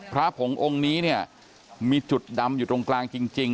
พระผงองค์นี้เนี่ยมีจุดดำอยู่ตรงกลางจริง